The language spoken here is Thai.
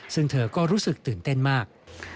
ซึ่งเธอก็รู้สึกตื่นเต้นมาก